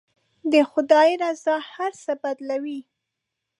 د خدای رضا هر څه بدلوي.